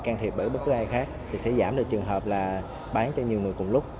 can thiệp bởi bất cứ ai khác thì sẽ giảm được trường hợp là bán cho nhiều người cùng lúc